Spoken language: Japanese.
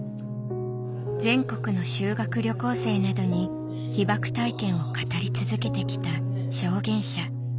全国の修学旅行生などに被爆体験を語り続けてきた証言者